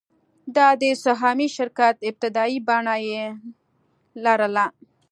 دا د سهامي شرکت ابتدايي بڼه یې لرله.